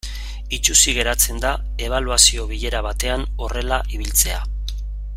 Itsusi geratzen da ebaluazio bilera batean horrela ibiltzea.